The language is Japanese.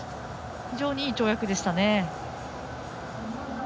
非常にいい跳躍でしたね。